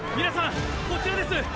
皆さんこちらです！